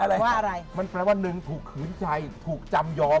อะไรว่าอะไรมันแปลว่าหนึ่งถูกขืนใจถูกจำยอม